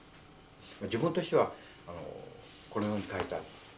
自分としてはこのように書いた。